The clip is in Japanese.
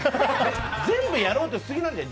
全部やろうとしすぎなんだよ。